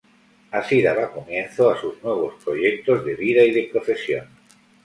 Así daba comienzo a sus nuevos proyectos de vida y de profesión.